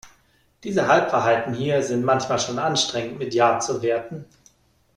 Diese Halbwahrheiten hier sind manchmal schon anstrengend mit ja zu werten.